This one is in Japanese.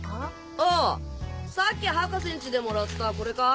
あぁさっき博士ん家でもらったこれか？